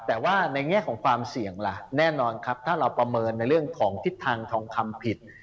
แต่ว่าในแง่ของความเสี่ยงล่ะแน่นอนครับถ้าเราประเมินในเรื่องของทิศทางทองคำผิด